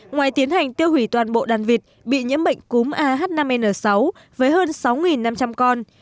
ngoài tiến hành tiêu hủy toàn bộ đàn vịt bị nhiễm bệnh cúm ah năm n sáu với hơn sáu năm trăm linh con